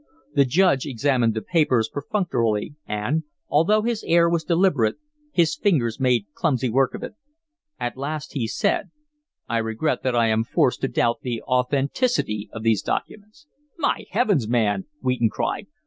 The Judge examined the papers perfunctorily, and, although his air was deliberate, his fingers made clumsy work of it. At last he said: "I regret that I am forced to doubt the authenticity of these documents." "My Heavens, man!" Wheaton cried.